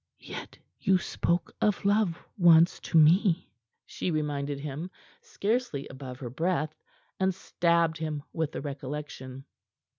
"Yet you spoke of love once to me," she reminded him, scarcely above her breath, and stabbed him with the recollection.